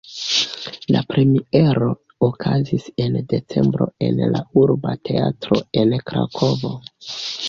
La premiero okazis en decembro en la Urba Teatro en Krakovo.